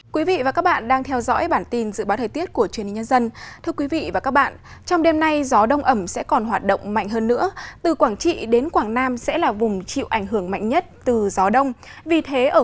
các bạn hãy đăng ký kênh để ủng hộ kênh của chúng mình nhé